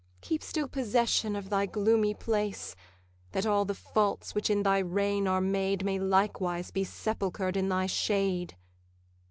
Keep still possession of thy gloomy place, That all the faults which in thy reign are made May likewise be sepulchred in thy shade!